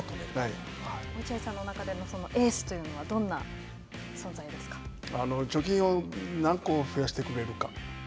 落合さんの中での、エースとい貯金を何個増やしてくれるか。